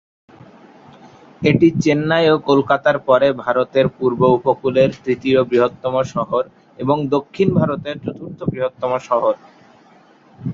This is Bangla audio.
এটি চেন্নাই ও কলকাতার পরে ভারতের পূর্ব উপকূলের তৃতীয় বৃহত্তম শহর এবং দক্ষিণ ভারতের চতুর্থ বৃহত্তম শহর।